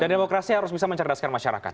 dan demokrasi harus bisa mencerdaskan masyarakat